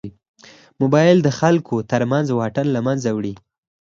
موبایل د خلکو تر منځ واټن له منځه وړي.